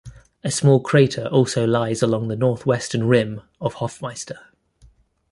A small crater also lies along the northwestern rim of Hoffmeister.